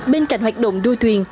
bên cạnh hoạt động đua thuyền